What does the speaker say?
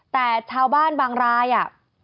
แต่ชาวบ้านบางรายอ่ะ